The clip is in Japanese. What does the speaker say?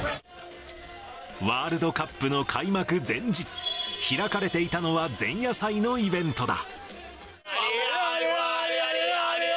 ワールドカップの開幕前日、開かれていたのは、前夜祭のイベントだ。